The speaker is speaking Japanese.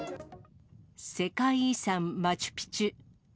世界遺産、マチュピチュ。